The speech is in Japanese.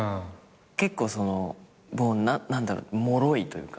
結構何だろうもろいというか。